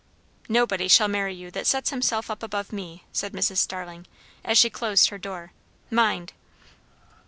"Nobody shall marry you that sets himself up above me," said Mrs. Starling as she closed her door. "Mind!"